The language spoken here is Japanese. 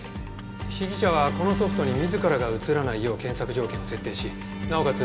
被疑者はこのソフトに自らが映らないよう検索条件を設定しなおかつ